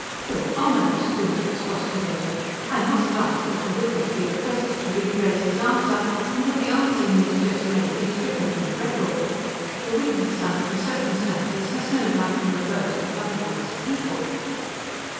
"Your Honors!" Coombes expostulated, "I must ask that the witness be requested to rephrase his answer, and that the answer he has just made be stricken from the record. The witness, under the circumstances, has no right to refer to the Fuzzies as 'people.'"